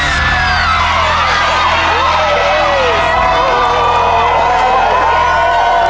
ถูกไม่รู้